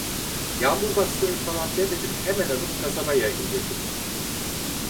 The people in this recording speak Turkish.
Yağmur bastırır filan demedim, hemen alıp kasabaya indirdim.